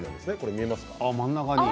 見えますか？